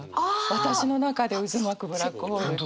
「私の中で渦巻くブラックホール」って。